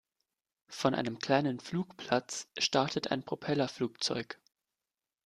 Von einem kleinen Flugplatz startet ein Propellerflugzeug.